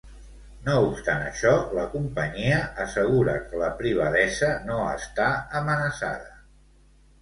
No obstant això, la companyia assegura que la privadesa no està amenaçada.